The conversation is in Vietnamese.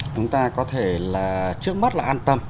chúng ta có thể là trước mắt là an tâm